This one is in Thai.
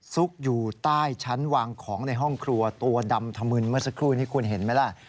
ซุกอยู่ใต้ชั้นวางของในห้องครัวตัวดำธมึนเมื่อสักครู่นี้คุณเห็นไหมล่ะ